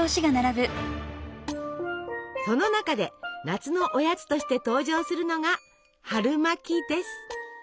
その中で夏のおやつとして登場するのが春巻きです！